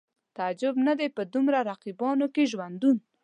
تعجب نه دی په دومره رقیبانو کې ژوندون